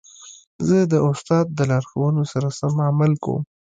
زه د استاد د لارښوونو سره سم عمل کوم.